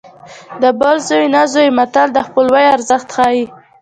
د بل زوی نه زوی متل د خپلوۍ ارزښت ښيي